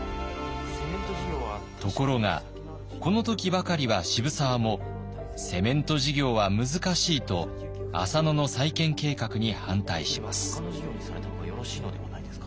ところがこの時ばかりは渋沢もセメント事業は難しいと浅野の再建計画に反対します。